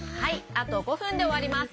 あと５ふんでおわります。